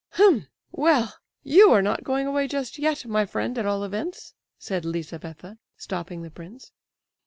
"H'm! well, you are not going away just yet, my friend, at all events," said Lizabetha, stopping the prince.